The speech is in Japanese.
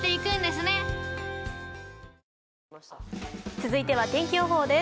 続いては天気予報です。